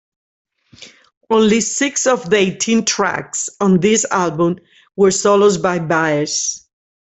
Only six of the eighteen tracks on this album were solos by Baez.